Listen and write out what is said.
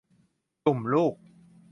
จุ่มลูก